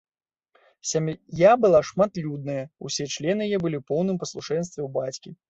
Сям'я была шматлюдная, усе члены яе былі ў поўным паслушэнстве ў бацькі.